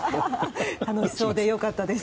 楽しそうで良かったです。